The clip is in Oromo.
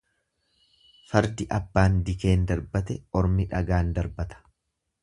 Fardi abbaan dikeen darbate ormi dhagaan darbata.